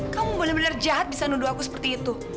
kamu boleh bener bener jahat bisa nuduh aku seperti itu